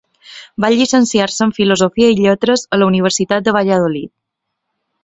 Va llicenciar-se en Filosofia i Lletres a la Universitat de Valladolid.